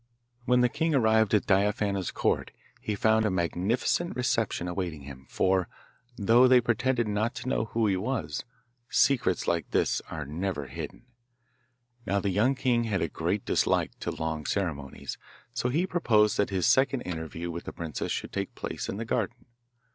When the king arrived at Diaphana's Court he found a magnificent reception awaiting him, for, though they pretended not to know who he was, secrets like this are never hidden. Now the young king had a great dislike to long ceremonies, so he proposed that his second interview with the princess should take place in the garden.